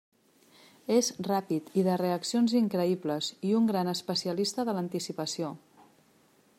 És ràpid i de reaccions increïbles, i un gran especialista de l'anticipació.